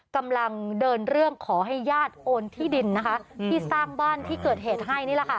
กำลังเดินเรื่องขอให้ญาติโอนที่ดินนะคะที่สร้างบ้านที่เกิดเหตุให้นี่แหละค่ะ